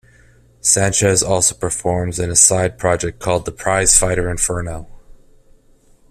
Sanchez also performs in a side project called The Prize Fighter Inferno.